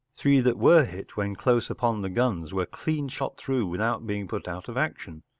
Three that were hit when close upon the guns were clean shot through without being put out of action.